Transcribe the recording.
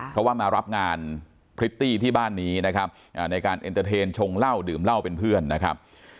เพราะว่ามารับงานพริตตี้ที่บ้านนี้นะครับในการเอ็นเตอร์เทนชงเหล้าดื่มเหล้าเป็นเพื่อนนะครับ